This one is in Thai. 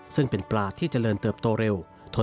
ซึ่งเป็นปลาที่เจริญเติบโตเร็ว